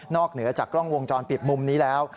เหนือจากกล้องวงจรปิดมุมนี้แล้ว